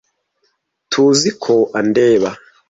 Tuziko andeba.